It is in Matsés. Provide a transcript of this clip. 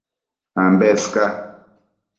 Ambes ca